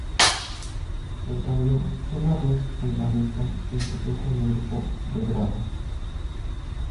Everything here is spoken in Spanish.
En cambio, Chema Ruiz, el bajista, se introdujo en el grupo Belgrado.